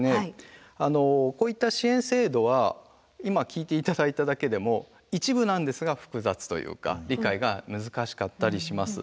こういった支援制度は今聞いて頂いただけでも一部なんですが複雑というか理解が難しかったりします。